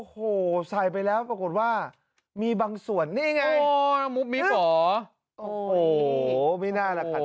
โหไม่น่าจะขาดทุน